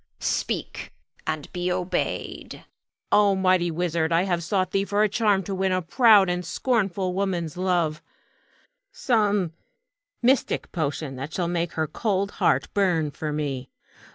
Speak, and be obeyed. Huon. O mighty wizard, I have sought thee for a charm to win a proud and scornful woman's love, some mystic potion that shall make her cold heart burn for me.